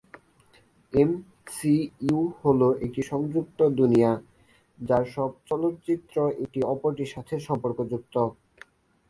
MCU হলো একটি সংযুক্ত দুনিয়া, যার সব চলচ্চিত্র একটি অপরটির সাথে সম্পর্কযুক্ত।